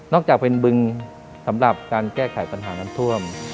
จากเป็นบึงสำหรับการแก้ไขปัญหาน้ำท่วม